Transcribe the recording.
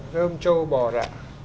dơm châu bò dạ